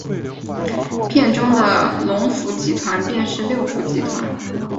片中的龙福集团便是六福集团。